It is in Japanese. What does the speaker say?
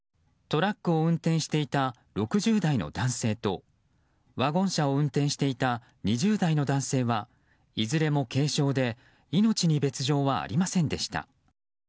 トラックを運転していた６０代の男性とワゴン車を運転していた２０代の男性はいずれも軽傷で命に別条はありませんでした。